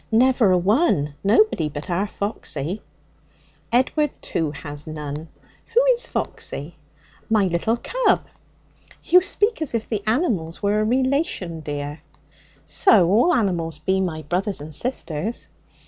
'Never a one. Nobody but our Foxy.' 'Edward, too, has none. Who is Foxy?' 'My little cub.' 'You speak as if the animals were a relation, dear.' 'So all animals be my brothers and sisters.'